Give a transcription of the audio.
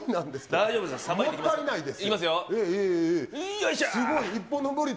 大丈夫です。